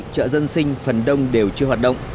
chợ dân sinh phần đông đều chưa hoạt động